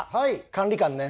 管理官ね。